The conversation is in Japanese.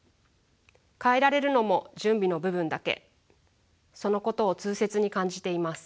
変えられるのも準備の部分だけそのことを痛切に感じています。